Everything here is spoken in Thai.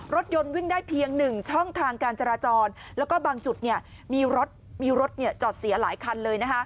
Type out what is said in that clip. รถยนต์วิ่งได้เพียง๑ช่องทางการจราจรแล้วก็บางจุดมีรถมีรถจอดเสียหลายคันเลย